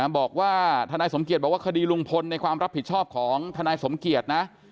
บอกว่าทนายสมเกียจบอกว่าคดีลุงพลในความรับผิดชอบของทนายสมเกียจนะ